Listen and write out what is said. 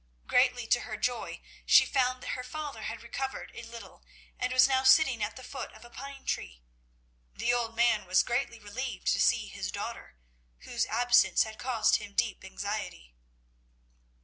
Greatly to her joy, she found that her father had recovered a little and was now sitting at the foot of a pine tree. The old man was greatly relieved to see his daughter, whose absence had caused him deep anxiety.